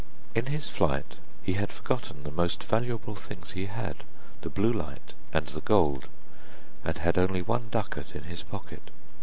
In his flight he had forgotten the most valuable things he had, the blue light and the gold, and had only one ducat in his pocket.